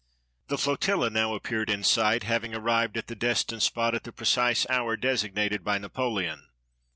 The flotilla now appeared in sight, having arrived at the destined spot at the precise hour designated by Napoleon.